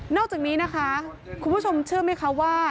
อกจากนี้นะคะคุณผู้ชมเชื่อไหมคะว่า